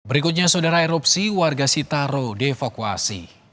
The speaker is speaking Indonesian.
berikutnya saudara erupsi warga sitaro dievakuasi